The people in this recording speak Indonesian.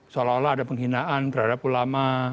seolah olah ada penghinaan terhadap ulama